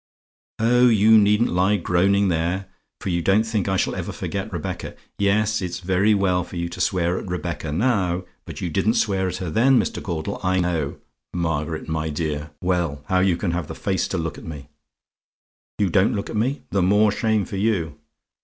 "Oh, you needn't lie groaning there, for you don't think I shall ever forget Rebecca. Yes, it's very well for you to swear at Rebecca now, but you didn't swear at her then, Mr. Caudle, I know. 'Margaret, my dear!' Well, how you can have the face to look at me "YOU DON'T LOOK AT ME? "The more shame for you.